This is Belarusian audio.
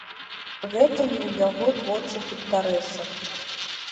Гэта не ў яго творчых інтарэсах.